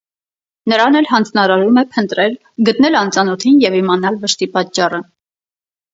Նրան էլ հանձնարարում է փնտրել, գտնել անծանոթին և իմանալ վշտի պատճառը։